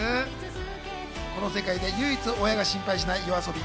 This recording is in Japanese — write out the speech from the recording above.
この世界で唯一、親が心配しないＹＯＡＳＯＢＩ。